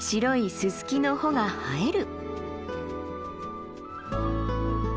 ススキの穂が映える。